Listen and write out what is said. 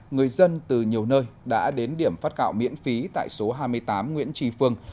người dân từ nhiều nơi đã đến điểm phát gạo miễn phí tại số hai mươi tám nguyễn trì phương